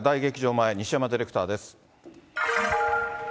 前、西山ディレクターです。